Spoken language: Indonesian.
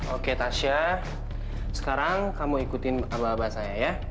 oke tasya sekarang kamu ikutin abah abah saya ya